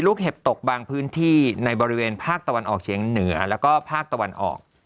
และก็ภาคตะวันออก